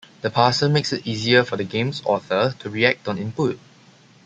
The parser makes it easier for the game's author to react on input.